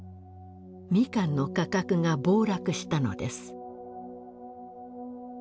ミカンの価格が暴落したのです。